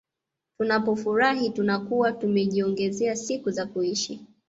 Tunapofurahi tutakuwa tumejiongezea siku za kuishi